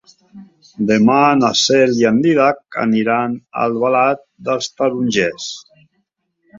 Demà na Cel i en Dídac aniran a Albalat dels Tarongers.